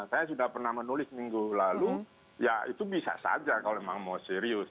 saya sudah pernah menulis minggu lalu ya itu bisa saja kalau memang mau serius